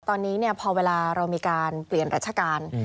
ตอนนี้พอเวลาเรามีการเปลี่ยนรัชการ